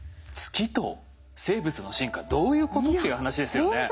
月と生物の進化どういうことっていう話ですよね。